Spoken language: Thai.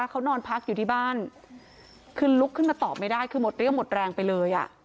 เขานอนพักอยู่ที่บ้านคือลุกขึ้นมาตอบไม่ได้คือหมดเรี่ยวหมดแรงไปเลยอ่ะ